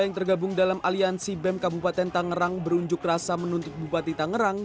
yang tergabung dalam aliansi bem kabupaten tangerang berunjuk rasa menuntut bupati tangerang